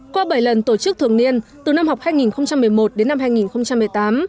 qua bảy lần tổ chức thường niên từ năm học hai nghìn một mươi một đến năm hai nghìn một mươi tám